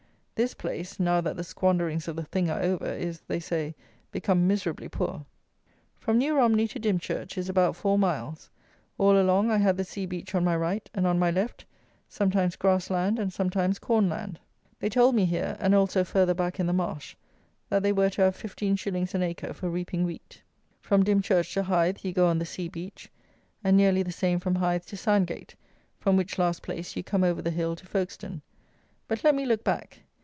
This place, now that the squanderings of the THING are over, is, they say, become miserably poor. From New Romney to Dimchurch is about four miles: all along I had the sea beach on my right, and, on my left, sometimes grass land and sometimes corn land. They told me here, and also further back in the Marsh, that they were to have 15s. an acre for reaping wheat. From Dimchurch to Hythe you go on the sea beach, and nearly the same from Hythe to Sandgate, from which last place you come over the hill to Folkestone. But let me look back.